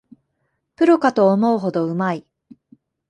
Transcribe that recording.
プロかと思うほどうまい